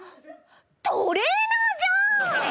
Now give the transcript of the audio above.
トレーナーじゃん！！